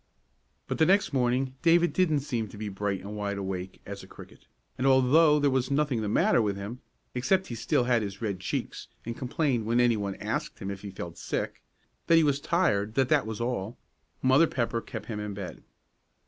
But the next morning David didn't seem to be bright and wide awake as a cricket, and although there was nothing the matter with him, except he still had his red cheeks and complained when any one asked him if he felt sick, that he was tired, that that was all, Mother Pepper kept him in bed.